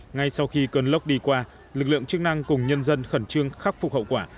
ngay sau khi cơn lốc đi qua lực lượng chức năng cùng nhân dân khẩn trương khắc phục hậu quả